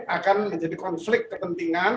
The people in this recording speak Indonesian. akan menjadi konflik kepentingan